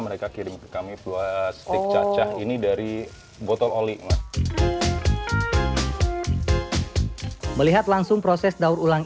mereka kirim ke kami dua stik cacah ini dari botol oli melihat langsung proses daur ulang